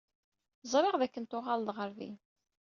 Ẓriɣ dakken tuɣaleḍ ɣer din.